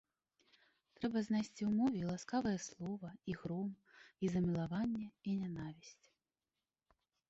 Трэба знайсці ў мове і ласкавае слова, і гром, і замілаванне, і нянавісць.